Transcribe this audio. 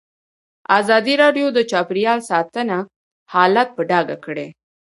ازادي راډیو د چاپیریال ساتنه حالت په ډاګه کړی.